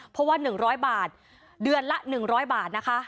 เพราะว่า๑๐๐บาทเดือนละ๑๐๐บาทนะคะ